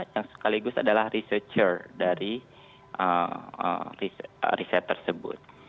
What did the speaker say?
yang sekaligus adalah researcher dari riset tersebut